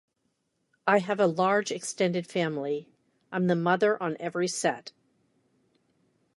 I have a large extended family; I'm the mother on every set.